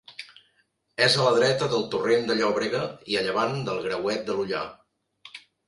És a la dreta del torrent de Llòbrega i a llevant del Grauet de l'Ullar.